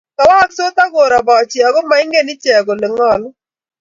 kowaksot ago rabachi ago maingen iche kole ngalu